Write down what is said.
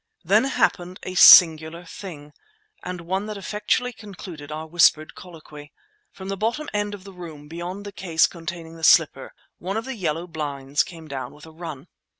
Then happened a singular thing, and one that effectually concluded our whispered colloquy. From the top end of the room, beyond the case containing the slipper, one of the yellow blinds came down with a run.